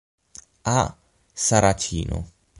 A. Saracino.